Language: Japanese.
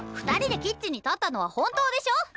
２人でキッチンに立ったのは本当でしょ！